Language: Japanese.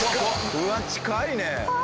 うわ近いね。